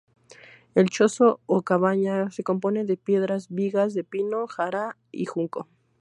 El chozo o cabaña se compone de piedras, vigas de pino, jara y junco.